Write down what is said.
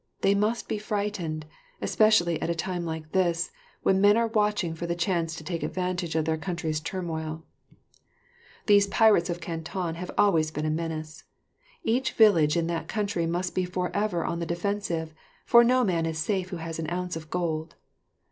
They must be frightened; especially at a time like this, when men are watching for the chance to take advantage of their country's turmoil. These pirates of Canton have always been a menace. Each village in that country must be forever on the defensive, for no man is safe who has an ounce of gold.